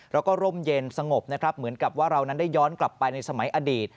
แล้วก็ร่มเย็นสงบนะครับเหมือนกับว่าเรานั้นได้ย้อนกลับไปในสมัยอดีต